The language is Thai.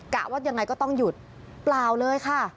ะว่ายังไงก็ต้องหยุดเปล่าเลยค่ะ